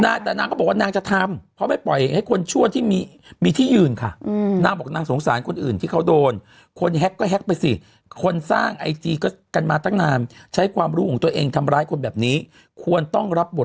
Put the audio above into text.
น่ะแต่นางก็บอกว่านางจะทำเพราะไม่ปล่อยให้คนช่วงที่มีมีที่ยืนค่ะ